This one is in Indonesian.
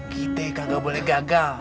kita yang kagak boleh gagal